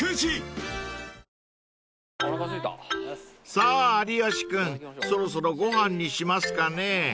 ［さあ有吉君そろそろご飯にしますかね］